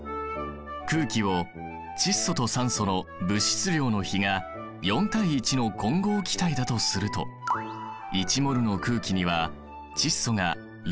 空気を窒素と酸素の物質量の比が４対１の混合気体だとすると１ｍｏｌの空気には窒素が０．８０ｍｏｌ